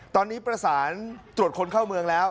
ตอนนี้ประสานตรวจคนเข้าเมืองแล้ว